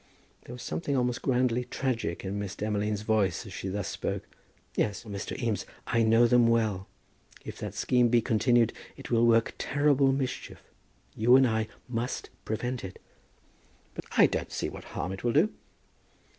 There was something almost grandly tragic in Miss Demolines' voice as she thus spoke. "Yes, Mr. Eames, I know them well. If that scheme be continued, it will work terrible mischief. You and I must prevent it." "But I don't see what harm it will do."